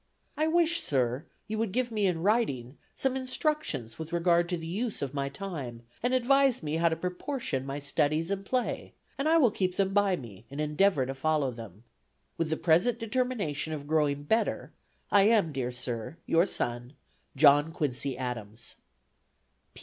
I wish, sir, you would give me in writing, some instructions with regard to the use of my time, and advise me how to proportion my studies and play, and I will keep them by me, and endeavor to follow them. With the present determination of growing better, I am, dear sir, your son "JOHN QUINCY ADAMS."